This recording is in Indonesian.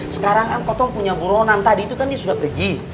sekarang kan kotong punya buronan tadi itu kan dia sudah pergi